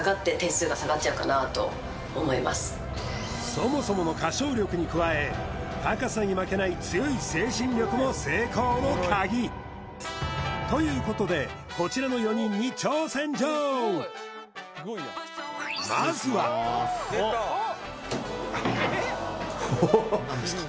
そもそもの歌唱力に加え高さに負けない強い精神力も成功の鍵ということでこちらの４人に挑戦状何ですか？